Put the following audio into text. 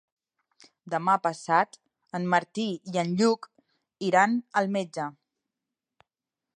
Demà passat en Martí i en Lluc iran al metge.